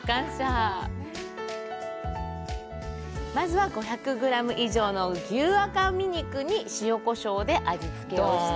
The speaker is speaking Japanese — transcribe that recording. まずは５００グラム以上の牛赤身肉に塩、こしょうで味付けして。